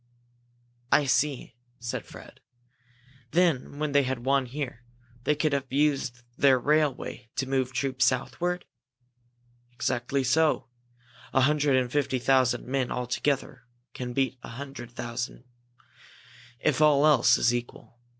"I see," said Fred. "Then when they had won here, they could have used their railway to move troops southward?" "Exactly so! A hundred and fifty thousand men all together can beat a hundred thousand, if all else is equal.